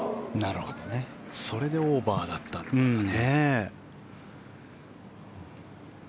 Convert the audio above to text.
それでオーバーだったんですね。